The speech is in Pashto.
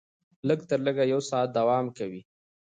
لږ تر لږه یو ساعت دوام کوي.